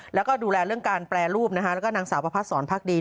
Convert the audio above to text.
แล้วก็ดูแลเรื่องการแปรรูปแล้วก็นางสาวประพัดสอนพักดี